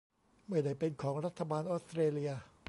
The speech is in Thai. ไม่ได้เป็นของรัฐบาลออสเตรเลีย